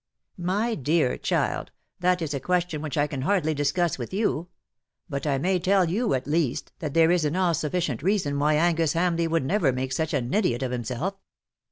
" My dear child, that is a question which I can hardly discuss with you. But I may tell you, at least, that there is an all sufficient reason why Angus Ham leigh would never make such an idiot of himself."